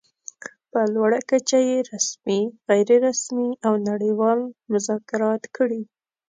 په لوړه کچه يې رسمي، غیر رسمي او نړۍوال مذاکرات کړي.